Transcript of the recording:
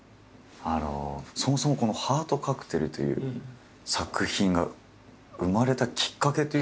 あのそもそも「ハートカクテル」という作品が生まれたきっかけというのは？